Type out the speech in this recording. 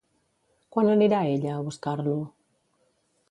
Quan anirà ella a buscar-lo?